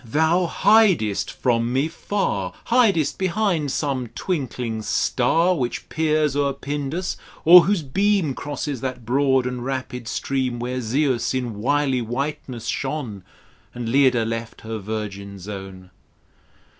thou hidest from me far, Hidest behind some twinkling star Which peers o'er Pindus, or wliose beam Crosses that broad and rapid stream Where Zeus in wily whiteness shone And Leda left her virgin zone.